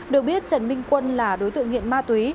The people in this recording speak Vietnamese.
được biết trần minh quân là đối tượng nghiện ma túy